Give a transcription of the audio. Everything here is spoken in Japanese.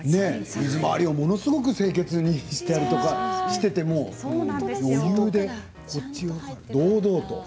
水回りをものすごく清潔にしたりしていてもこっち側から堂々と。